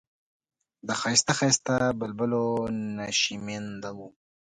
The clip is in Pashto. د ښایسته ښایسته بلبلو نشیمن و.